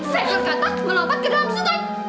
seluruh kantang melompat ke dalam sungai